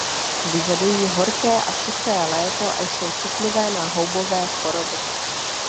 Vyžadují horké a suché léto a jsou citlivé na houbové choroby.